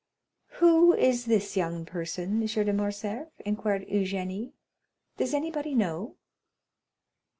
"Who is this young person, M. de Morcerf?" inquired Eugénie; "does anybody know?"